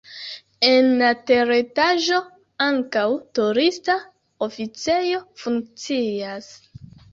En la teretaĝo ankaŭ turista oficejo funkcias.